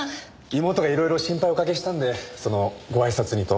妹がいろいろ心配おかけしたんでそのごあいさつにと。